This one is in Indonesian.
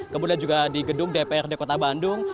kemudian juga di gedung dprd kota bandung